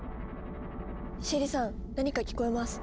シエリさん何か聞こえます。